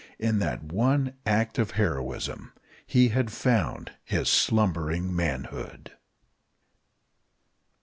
In that one act of heroism he had found his slumbering manhood.